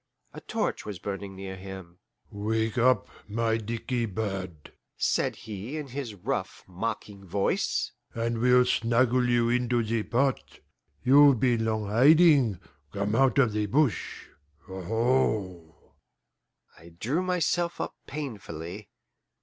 A torch was burning near him. "Wake up, my dickey bird," said he in his rough, mocking voice, "and we'll snuggle you into the pot. You've been long hiding; come out of the bush aho!" I drew myself up painfully.